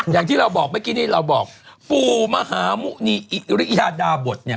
อย่างที่เราบอกเมื่อกี้นี่เราบอกปู่มหาหมุณีอิริธาดาบทเนี่ย